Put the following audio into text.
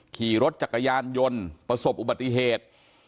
ขี่รถจักรยานยนต์ประสบอุบัติเหตุ